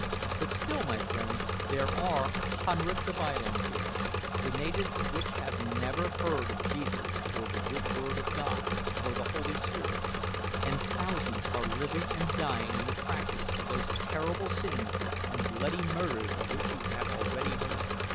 But still, my friend, there are hundreds of islands here, the natives of which have never heard of Jesus, or the good word of God, or the Holy Spirit; and thousands are living and dying in the practice of those terrible sins and bloody murders of which you have already heard.